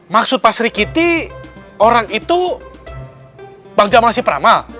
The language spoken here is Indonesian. maksud pak sri kiti orang itu bang jamang si prama